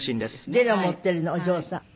ゼロを持っているのお嬢さん？